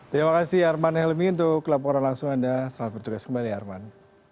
terima kasih arman helmi untuk laporan langsung anda selamat bertugas kembali arman